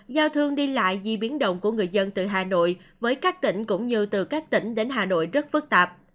giao thương đi lại di biến động của người dân từ hà nội với các tỉnh cũng như từ các tỉnh đến hà nội rất phức tạp